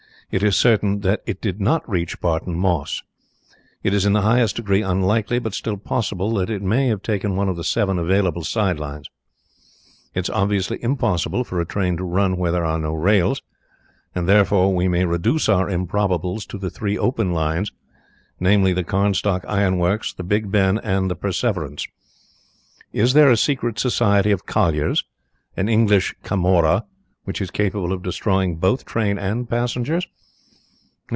It is certain that it did not reach Barton Moss. It is in the highest degree unlikely, but still possible, that it may have taken one of the seven available side lines. It is obviously impossible for a train to run where there are no rails, and, therefore, we may reduce our improbables to the three open lines, namely the Carnstock Iron Works, the Big Ben, and the Perseverance. Is there a secret society of colliers, an English Camorra, which is capable of destroying both train and passengers?